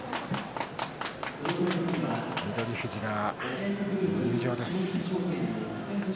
翠富士が入場です。